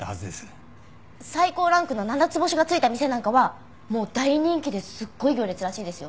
最高ランクの７つ星がついた店なんかはもう大人気ですっごい行列らしいですよ。